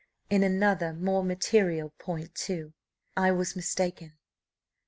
In another more material point, too, I was mistaken."